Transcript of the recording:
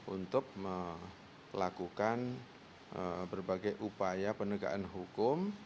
untuk melakukan berbagai upaya penegakan hukum